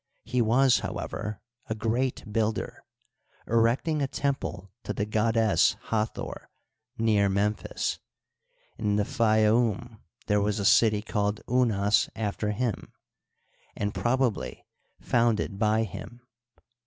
He was, however, a great builder, erecting a temple to the goddess Hathor, near Memphis ; in the Fayoum there was a city called Unas after him, and probably founded by him.